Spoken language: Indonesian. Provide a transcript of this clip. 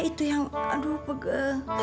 itu yang hadup nge